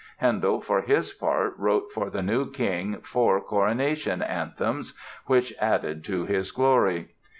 Handel, for his part, wrote for the new King four Coronation Anthems which added to his glory.